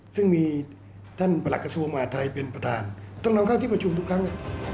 ซึ่งมีท่านประหลักกระทรวงมหาทัยเป็นประธานต้องนำเข้าที่ประชุมทุกครั้ง